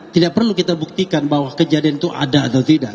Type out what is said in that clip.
tidak perlu kita buktikan bahwa kejadian itu ada atau tidak